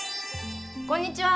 こんにちは。